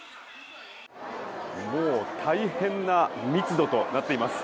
もう大変な密度となっています。